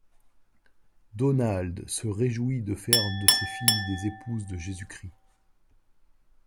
Donald se réjouit de faire de ses filles des épouses de Jésus-Christ.